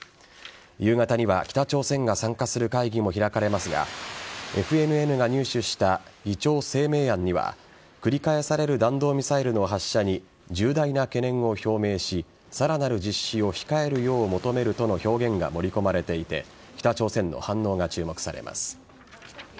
夕方には北朝鮮が参加する会議も開かれますがＦＮＮが入手した議長声明案には繰り返される弾道ミサイルの発射に重大な懸念を表明しさらなる実施を控えるよう求めるとの表現が盛り込まれていて北朝鮮の反応が注目されます。